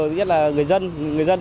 nhất là người dân